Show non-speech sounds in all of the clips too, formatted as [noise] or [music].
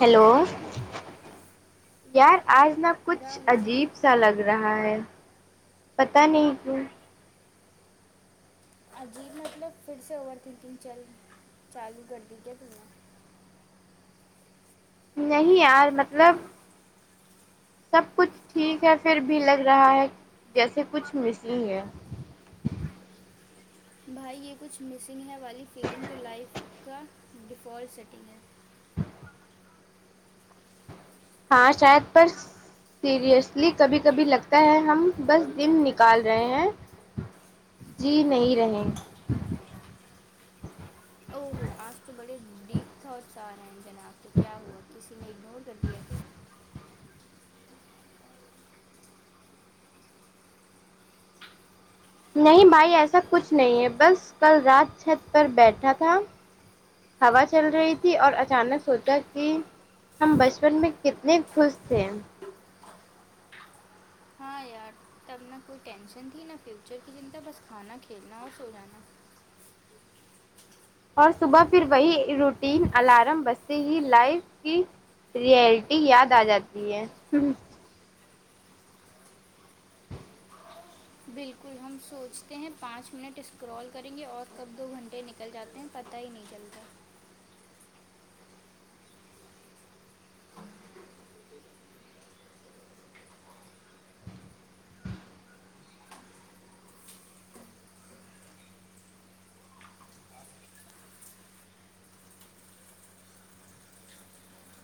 hello یار آج ن کچھ راہل عجیب ا سا لگ رہا ہے پت نہیں کیوں عجیب مطلب پھر سے اوور تھنکنگ چل چالو کر دییے پ نہیں یار مطلب سب کچھ ٹھیک ہے پھر بھی لگ رہا ہے جیسے کچھ مس ہی ہے بھائی یہ کچھ مسنگ ہے والی فلم ٹو لائف کا ڈیفالٹ سیٹنگ ہے ہاں شاید پر سیریئسلی کبھی کبھی لگتا ہے ہم بس دن نکال رہے ہیں جی نہیں رہیں او ہوو آج تو بڑے ڈیپ تھاٹس آ رہے ہیں جنا آج سے کیا ہوا کسی نے اگنور کر دیا کیا نہیں بھائی ایسا کچھ نہیں ہے بس کل رات چھت پر بیٹھا تھا ہوا چل رہی تھی اور اچانک سوچا کہ ہم بچپن میں کتنے خوش تھے ہاں یار تب نہ کوئی ٹینشن تھی نہ فیوچر کی جنتا بس کھانا کھیلنا اور سو جانا اور صبح پھر وہی روٹین الارم بستے ہی لائف کی رئلٹی یاد آ جاتی ہے بالکل ہم سوچتے ہیں پانچ منٹ اسکرال کریں گے اور کب دو گھنٹے نکل جاتے ت پتاہ ہی نہیں چلتا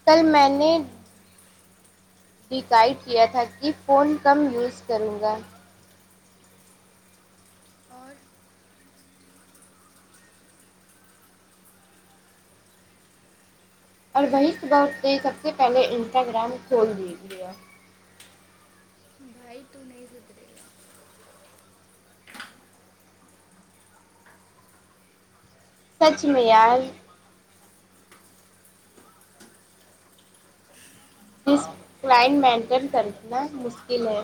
کل میں نے ڈیکائیڈ کیا تھا کہ فون کم یوز کروں گا اور اور وہی سے بات سب سے پہلے انسٹاگرام کھول دی گیا وئی تو نسے سچ میال جس کلائن مینٹین کرنا مشکل ہے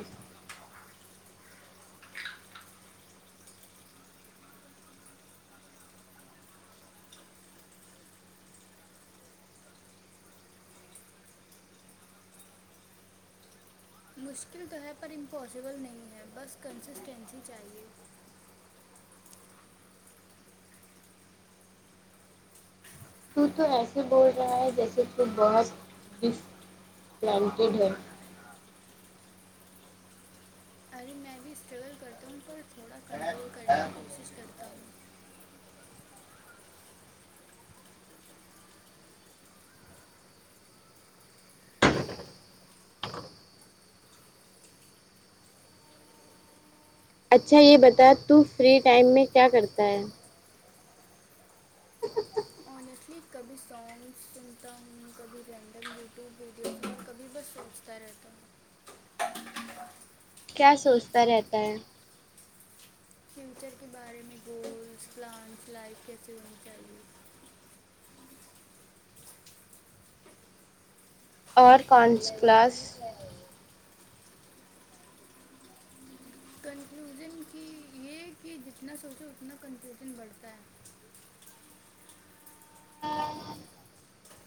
مشکل تو ہے پر امپوسبل نہیں ہے بس کنسسٹینسی چاہیے تو تو ایسے بول رہا ہے جیسے تو بہت ڈٹی ہے ابھی میں بھی اسٹرگل کرتا ہوں پر تھوڑا کنٹرول کرنے کی کوشش کرتا ہوں اچھا یہ بتا تو فری ٹائم میں کیا کرتا ہے ھ کبھی سانگ سنتا ہوں کبھی رینڈم یوٹیوب ویڈیوز میں کبھی بس سوچتا رہتا ہوں کیا سوچتا رہتا ہے فیوچر کے بارے میں گولس پلانس لائف کیسے ہو کیا اور کونس کلاس کنفلوژن کی یہ کہ جتنا سوچو اتنا کنفلوژن بڑھتا ہے [inaudible]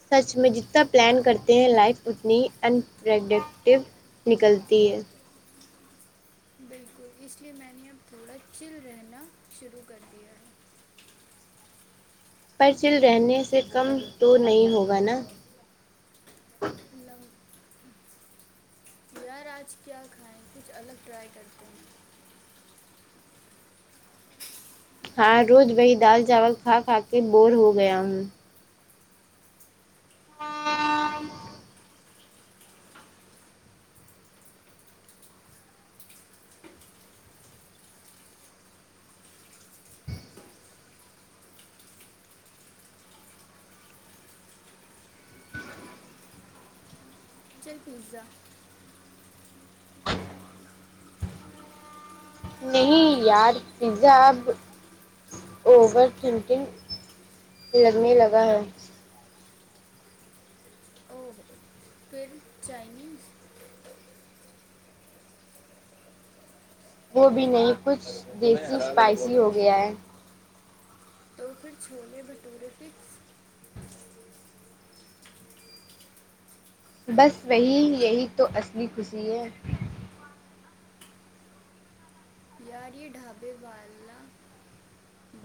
سچ میں جتنا پلان کرتے ہیں لائف اتنی انپرڈکٹیو نکلتی ہے تو اس لیے میں نے اب تھوڑا چل رہنا شروع کر دیا ہے پرچل رہنے سے کم تو نہیں ہوگا نا مطلبگ یار آج کیا کھائیں کچھ الگ ٹرائی کر دو ہاں روز وہی دال چاول کھا کھا کے بور ہو گیا ہوں [inaudible] چکن پیزا نہیں یار پزا اب اوور تھنکنگ لگنے لگا ہے اور پھر چائنیز وہ بھی نہیں کچھ دیسی اسپائسی ہو گیا ہے تو پھر چھوولے بھٹورے پ بس وہی یہی تو اصلی خوشی ہے یار یہ ڈھابے والا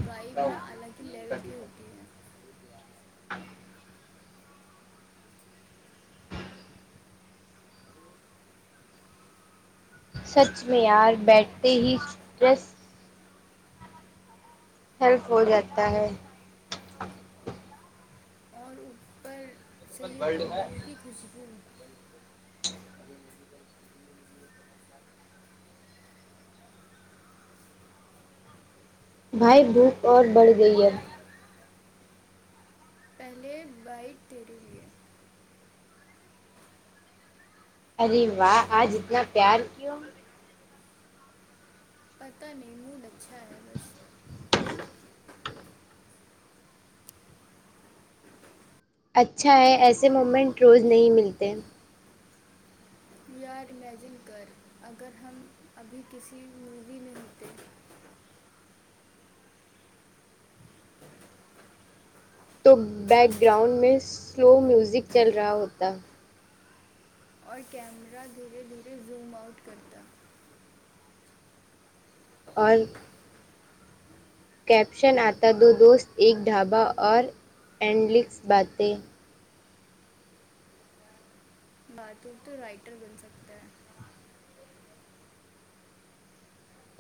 بائیک نہ الگ کی لیول کی ہوتی ہے [inaudible] سچ میں یار بیٹھتے ہیرس ہیلپ ہو جاتا ہے اور اوپر سید تندور کی خوشبو بھائی بھوک اور بڑھ گئی ہےب پہلے بائک تیرے لیے ارے واہ آج اتنا پیار کیوں پتہ نہی موڈ اچھا ہے بس [inaudible] اچھا ہے ایسے مومنٹ روز نہیں ملتے ویو آر ایمیجن کر اگر ہم ابھی کسی مووی میں متے تو بیک گراؤنڈ میں سلو میوزک چل رہا ہوتا اور کیمرہ دھیرے دھیرے زوم آؤٹ کرتا اور کیپشن آتا دو دوست ایک ڈھابا اور اینلکس باتے بات ہو تو رائٹر بن سکتا ہے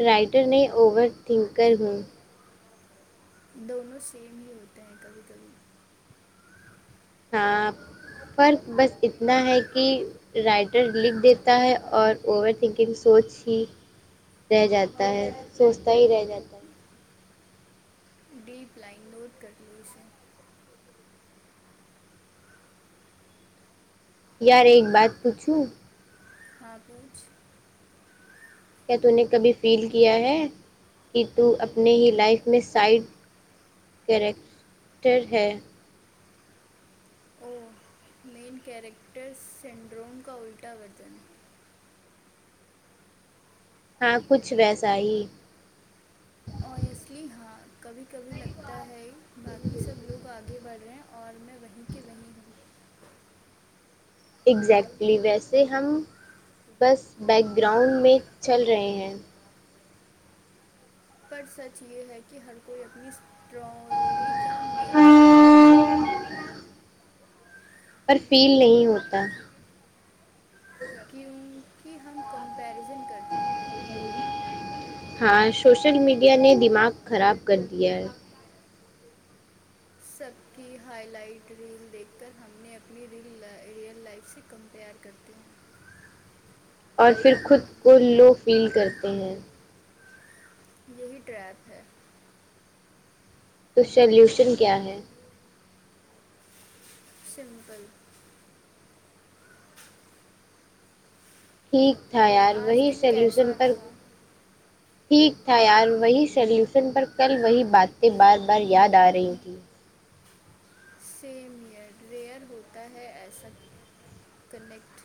رائٹر میں اوور تھنکر ہوں دونوں سیم ہی ہوتے ہیں کبھی کبھی ہاں فرق بس اتنا ہے کہ رائٹر لکھ دیتا ہے اور اوور تھنکنگ سوچ ہی رہ جاتا ہے سوچتا ہی رہ جاتا ہے ڈیپ لائن نوٹ کر ل اسے یار ایک بات پوچھو ہاں پوچھ کیا تو نے کبھی فیل کیا ہے کہ تو اپنے ہی لائف میں سائڈ کیریکٹر ہے او مین کیریکٹر سنڈروم کا الٹا کرتے ہیں ہاں کچھ ویسا ہی اوسٹلی ہاں کبھی کبھی لگتا ہے باقی سب لوگ آگے بڑھ رہے ہیں اور میں وہیں کہ وہیں اگزیکٹلی ویسے ہم بس بیک گراؤنڈ میں چل رہے ہیں پر سچ یہ ہے کہ ہر کوئی اپنی اسٹری کا مین کیریکٹر ہے پر فیل نہیں ہوتا کیونکہ ہم کمپیرزن کرتے ہیں ہاں سوشل میڈیا نے دماغ خراب کر دیا ہے سب کی ہائی لائٹ ریل دیکھ کر ہم نے اپنی ریل ریئل لائف سے کمپیئر کرتی اور پھر خود کو لو فیل کرتے ہیں یہی ٹریپ ہے تو سلوشن کیا ہے سمپل ٹھیک تھا اور یار آج وہی دن سلیوشن کیسا پر رہا ٹھیک تھا یار وہی سلیوشن پر کل وہی باتیں بار بار یاد آ رہی تھیں سیم ایئر ریئر ہوتا ہے ایسا کنیکٹ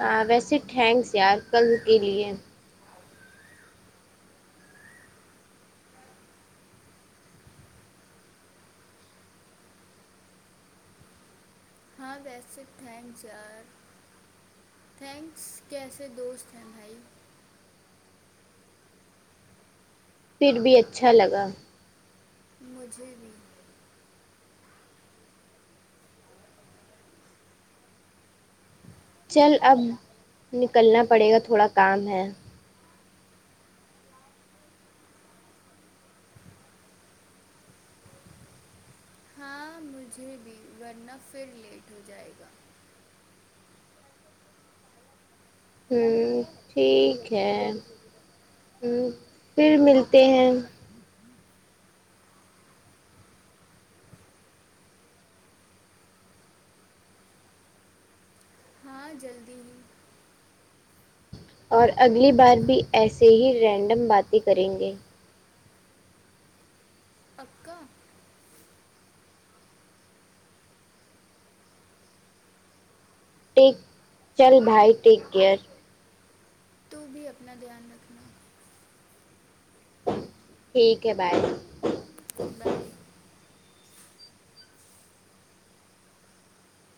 ہاں ویسے ٹھینکس یار کل کے لیے ہاں ویسے تٹھینک یار تھینکس کیسے دوست ہیں بھائی پھر بھی اچھا لگا مجھے بھی چل اب نکلنا پڑے گا تھوڑا کام ہے ہاں مجھے بھی ورنہ پھر لیٹ ہو جائے گا ہ ٹھیک ہے پھر ملتے ہیں ہاں جلدی ہی اور اگلی بار بھی ایسے ہی رینڈم باتیں کریں گے پکا ٹیک چل بھائی ٹیک کیئر تو بھی اپنا دھیان رکھنا ٹھیک ہے بائے بائے